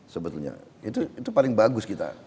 sebetulnya itu paling bagus kita